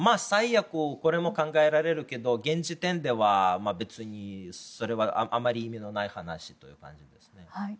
最悪、これも考えられるけど現時点では、別にそれはあまり意味のない話という感じですね。